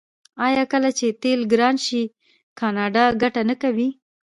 آیا کله چې تیل ګران شي کاناډا ګټه نه کوي؟